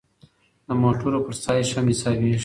د موټرو فرسایش هم حسابیږي.